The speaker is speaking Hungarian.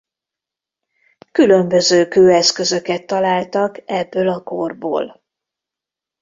Különböző kőeszközöket találtak ebből a korból.